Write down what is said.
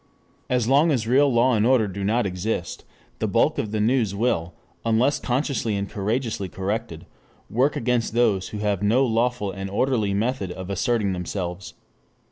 As long as real law and order do not exist, the bulk of the news will, unless consciously and courageously corrected, work against those who have no lawful and orderly method of asserting themselves.